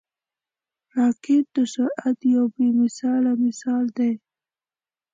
راکټ د سرعت یو بې مثاله مثال دی